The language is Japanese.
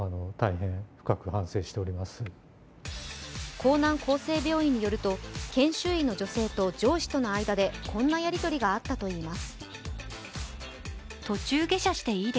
江南厚生病院によると研修医の女性と上司との間でこんなやりとりがあったといいます。